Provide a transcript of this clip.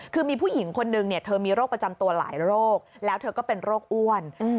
คือมีผู้หญิงคนนึงเธอมีโรคประจำตัวหลายโรคแล้วเธอก็เป็นโรคอ้วน